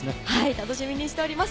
楽しみにしています。